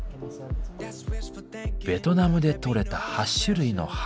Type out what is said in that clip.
ベトナムで採れた８種類の花。